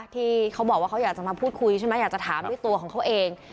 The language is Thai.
ที่เขาบอกว่าเขาอยากจะมาพูดคุยใช่ไหมอยากจะถามด้วยตัวของเขาเอง